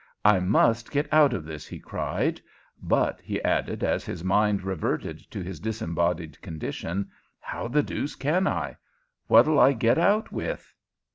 "I must get out of this," he cried. "But," he added, as his mind reverted to his disembodied condition, "how the deuce can I? What'll I get out with?"